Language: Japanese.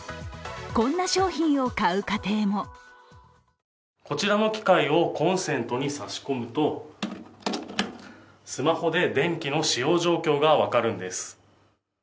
こんな商品を買う家庭もこちらの機械をコンセントに差し込むと、スマホで電気の使用状況が分かるんです。